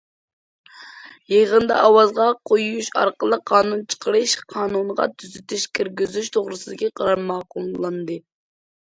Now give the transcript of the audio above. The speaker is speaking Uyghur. يىغىندا ئاۋازغا قويۇش ئارقىلىق قانۇن چىقىرىش قانۇنىغا تۈزىتىش كىرگۈزۈش توغرىسىدىكى قارار ماقۇللاندى.